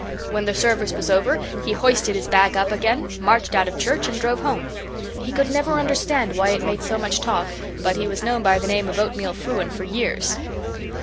When the service was over he hoisted his bag up again, marched out of church, and drove home. He could never understand why it made so much talk; but he was known by the name of Oatmeal Frewen for years."